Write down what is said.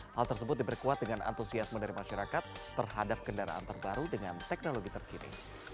hal tersebut diperkuat dengan antusiasme dari masyarakat terhadap kendaraan terbaru dengan teknologi terkini